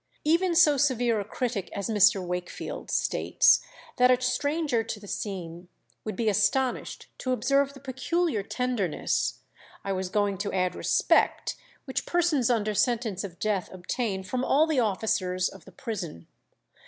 Even so severe a critic as Mr. Wakefield states that "a stranger to the scene would be astonished to observe the peculiar tenderness, I was going to add respect, which persons under sentence of death obtain from all the officers of the prison.